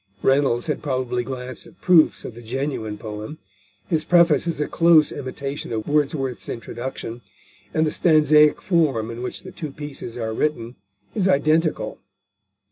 Reynolds had probably glanced at proofs of the genuine poem; his preface is a close imitation of Wordsworth's introduction, and the stanzaic form in which the two pieces are written is identical.